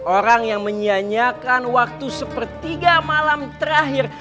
orang yang menyianyikan waktu sepertiga malam terakhir